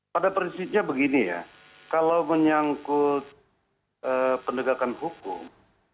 pada prinsipnya begini ya kalau menyangkut penegakan hukum